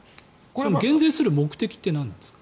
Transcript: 減税する目的ってなんですか？